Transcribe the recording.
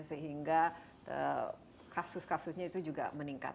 sehingga kasus kasusnya itu juga meningkat